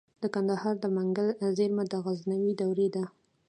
د کندهار د منگل زیرمه د غزنوي دورې ده